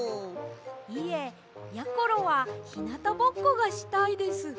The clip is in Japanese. いえやころはひなたぼっこがしたいです。